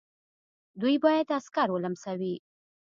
دوی باید عسکر ولمسوي.